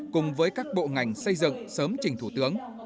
cùng với các bộ ngành xây dựng sớm trình thủ tướng